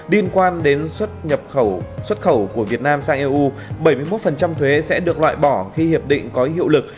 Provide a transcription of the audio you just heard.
liên quan đến xuất khẩu của việt nam sang eu bảy mươi một thuế sẽ được loại bỏ khi hiệp định có hiệu lực